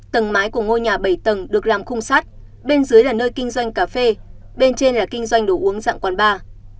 tầng mái của ngôi nhà bảy tầng được làm khung sắt bên dưới là nơi kinh doanh cà phê bên trên là kinh doanh đồ uống dạng quán bar